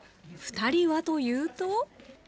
２人はというと。